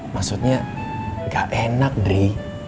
maksudnya gak enak indri